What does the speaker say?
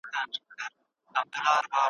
کله ناکامي په حقیقت کي زموږ لپاره یو فرصت وي؟